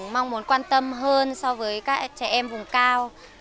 mong muốn quan tâm hơn so với các trẻ em vùng cao